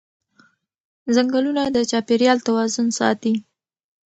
ځنګلونه د چاپېریال توازن ساتي